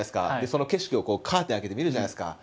その景色をカーテン開けて見るじゃないですか。